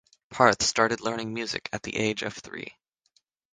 Parth started learning music at the age of three.